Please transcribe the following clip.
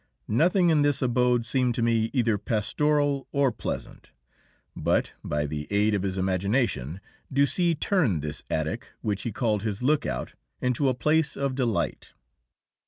Nothing in this abode seemed to me either pastoral or pleasant, but by the aid of his imagination Ducis turned this attic, which he called his "lookout," into a place of delight.